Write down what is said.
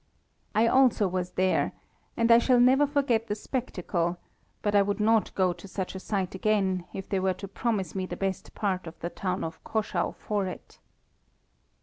I also was there, and I shall never forget the spectacle, but I would not go to such a sight again if they were to promise me the best part of the town of Caschau for it.